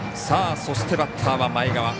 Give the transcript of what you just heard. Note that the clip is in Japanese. そして、バッターは前川。